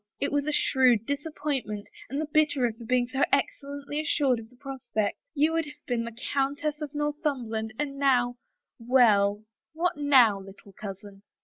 It was a shrewd disappointment, and the bitterer for being so excellently assured of the prospect. You would have been the Countess of Northumberland, and now — well, what now, little cousin